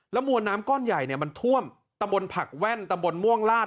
มวลน้ำก้อนใหญ่เนี่ยมันท่วมตำบลผักแว่นตำบลม่วงลาด